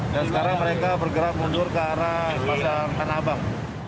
dan sekarang mereka bergerak mundur ke arah masyarakat abang